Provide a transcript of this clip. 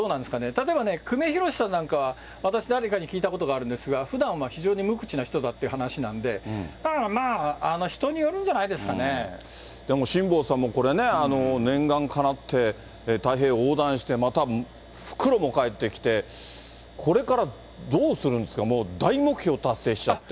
例えばね、久米宏さんなんかは、私、誰かに聞いたことがあるんですが、ふだんは非常に無口な人なんだという話なんで、だからまあ、人にでも辛坊さんもこれね、念願かなって、太平洋横断して、また復路も帰ってきて、これからどうするんですか、もう大目標達成しちゃって。